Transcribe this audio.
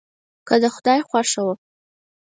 که د خدای خوښه وه.